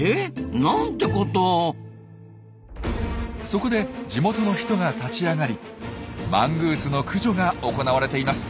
そこで地元の人が立ち上がりマングースの駆除が行われています。